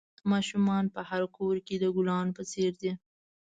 ماشومان په هر کور کې د گلانو په څېر دي.